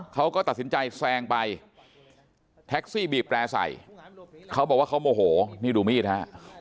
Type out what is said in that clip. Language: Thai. เขาก็ตัดสินใจแซงไปแท็กซี่บีบแปรใส่เขาบอกว่าเขาโมโหนี่ดูมีดฮะ